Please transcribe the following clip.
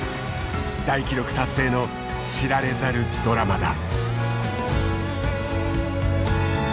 大記録達成の知られざるドラマだ。